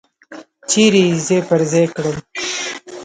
چیرې یې ځای پر ځای کړل.